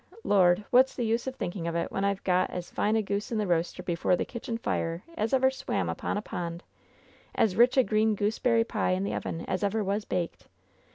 Lord, what's the use of thinking of it when I've got as fine a goose in the roaster before the kitchen fire as ever swam upon a pond, as rich a green gooseberry pie in the oven as ever was baked